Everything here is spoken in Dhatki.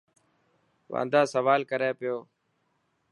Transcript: واندا سوال ڪري پيو.